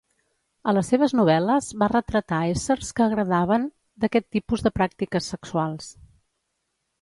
A les seves novel·les va retratar éssers que agradaven d'aquest tipus de pràctiques sexuals.